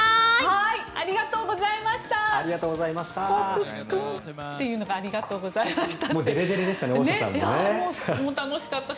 はーい！ありがとうございました！